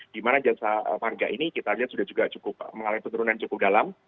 dimana jasa marga ini kita lihat sudah cukup mengalami penurunan cukup dalam